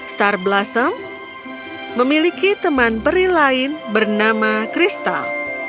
star blossom memiliki teman peri lain bernama kristal